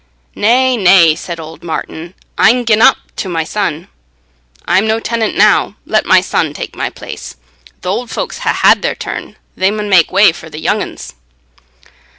"Nay, nay," said old Martin, "I'n gi'en up to my son; I'm no tenant now: let my son take my place. Th' ould foulks ha' had their turn: they mun make way for the young uns."